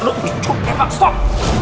lo bicu tebak stop